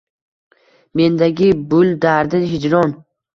Mendagi bul dardi hijron